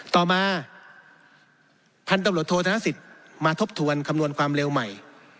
ต่อมาพันธุรโทษธนศิษฐ์มาทบทวนคำนวณความเร็วใหม่